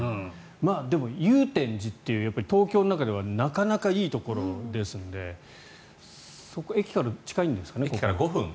でも、祐天寺という東京の中ではなかなかいいところですので駅から近いんですかね？